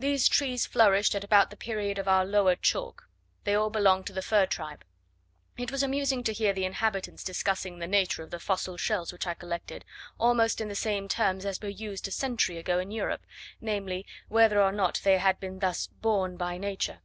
These trees flourished at about the period of our lower chalk; they all belonged to the fir tribe. It was amusing to hear the inhabitants discussing the nature of the fossil shells which I collected, almost in the same terms as were used a century ago in Europe, namely, whether or not they had been thus "born by nature."